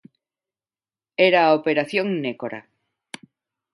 Era a Operación Nécora.